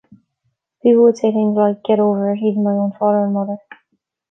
People would say things like 'get over it,' even my own father and mother.